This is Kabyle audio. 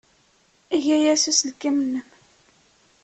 Eg aya s uselkim-nnem.